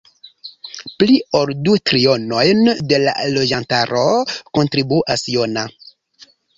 Pli ol du trionojn de la loĝantaro kontribuas Jona.